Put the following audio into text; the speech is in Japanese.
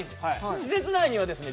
施設内にはですね